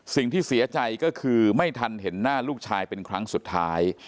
สิ่งที่เสียใจก็คือไม่ทันเห็นหน้าลูกชายเป็นครั้งสุดท้าย